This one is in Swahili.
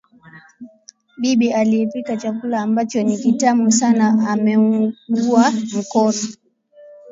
Bibi aliyepika chakula ambacho ni kitamu sana ameugua mkono.